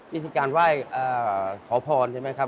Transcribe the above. วิธีการไหว้ขอพรใช่ไหมครับ